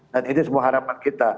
dan ini semua harapan kita